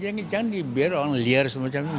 jangan dibiarkan liar semacam ini